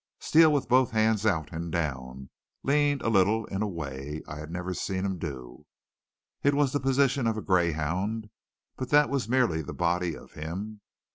Steele with both hands out and down, leaned a little, in a way I had never seen him do. It was the position of a greyhound, but that was merely the body of him.